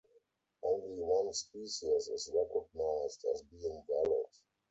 Only one species is recognized as being valid.